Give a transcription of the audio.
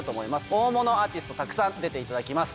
大物アーティストたくさん出ていただきます。